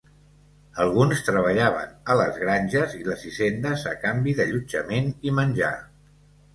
Alguns treballaven a les granges i les hisendes a canvi d'allotjament i menjar.